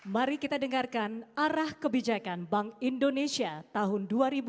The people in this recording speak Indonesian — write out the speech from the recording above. mari kita dengarkan arah kebijakan bank indonesia tahun dua ribu dua puluh